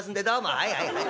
はいはいはい。